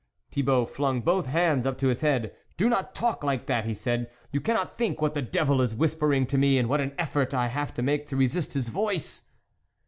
Thibault flung both hands up to his head. " Do not talk like that," he said, " you cannot think what the devil is whispering to me, and what an effort I have to make to resist his voice."